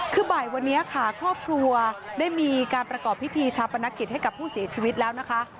คือบ่ายวันนี้ค่ะครอบครัวได้มีการประกอบพิธีชาปนกิจให้กับผู้เสียชีวิตแล้วนะคะ